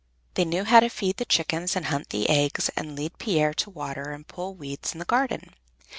They knew how to feed the chickens and hunt the eggs and lead Pier to water and pull weeds in the garden.